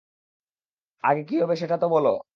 আগে কি হবে সেটা তো বল?